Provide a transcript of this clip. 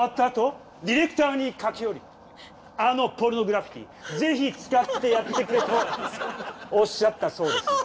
あとディレクターに駆け寄り「あの『ポルノグラフィティ』ぜひ使ってやってくれ」とおっしゃったそうです。